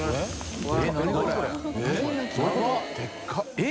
えっ？